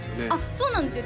そうなんですよ